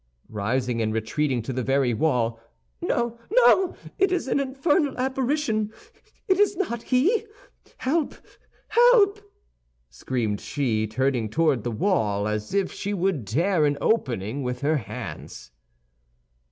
rising and retreating to the very wall. "No, no! it is an infernal apparition! It is not he! Help, help!" screamed she, turning towards the wall, as if she would tear an opening with her hands.